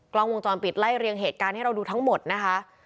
กล้องวงจรปิดไล่เรียงเหตุการณ์ให้เราดูทั้งหมดนะคะ